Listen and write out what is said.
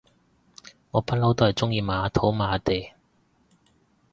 我不嬲都係中意買下土買下地